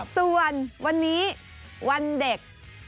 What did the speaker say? ส่วนวันนี้วันเด็ก